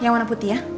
yang warna putih ya